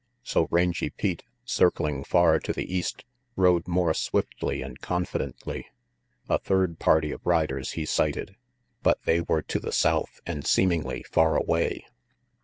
So Rangy Pete, circling far to the east, rode more swiftly and confidently. A third party of riders he sighted, but they were to the south and seemingly far away.